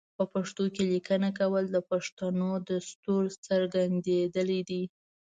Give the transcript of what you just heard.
په پښتو کې لیکنه کول د پښتنو دستور ګرځیدلی دی.